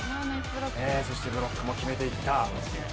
そしてブロックも決めていった。